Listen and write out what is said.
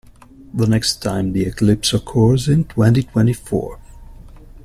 The next time the eclipse occurs is in twenty-twenty-four.